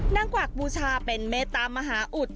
นางกวักบูชาเป็นเมตตามหาอุทธิ์